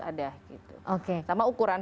ada gitu oke sama ukuran